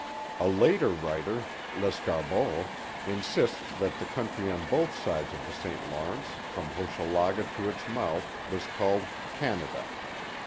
A later writer, Lescarbot, insists that the country on both sides of the St. Lawrence, from Hochelaga to its mouth, was called Canada.